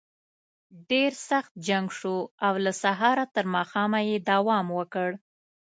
ډېر سخت جنګ شو او له سهاره تر ماښامه یې دوام وکړ.